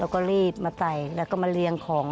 ป้าก็ทำของคุณป้าได้ยังไงสู้ชีวิตขนาดไหนติดตามกัน